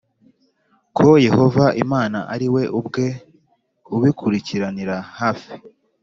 Ko yehova imana ari we ubwe ubikurikiranira hafi